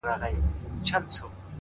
مار هغه دم وو پر پښه باندي چیچلى.!